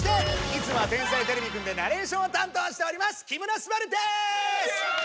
いつもは「天才てれびくん」でナレーションを担当しております木村昴です！